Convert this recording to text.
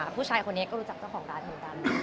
ผู้ชายคนนี้ก็รู้จักเจ้าของร้านเหมือนกัน